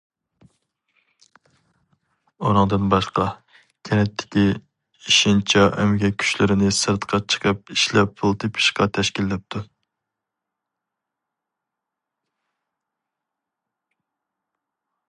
ئۇنىڭدىن باشقا، كەنتتىكى ئېشىنچا ئەمگەك كۈچلىرىنى سىرتقا چىقىپ ئىشلەپ پۇل تېپىشقا تەشكىللەپتۇ.